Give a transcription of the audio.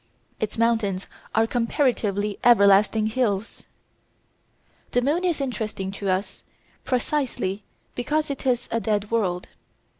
Its mountains are comparatively "everlasting hills." The moon is interesting to us precisely because it is a dead world.